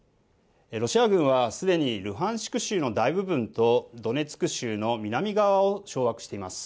ロシア軍はすでに、ルハンシク州の大部分と、ドネツク州の南側を掌握しています。